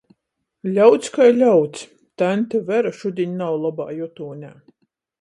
Ļauds kai ļauds! taņte Vera šudiņ nav lobā jutūnē.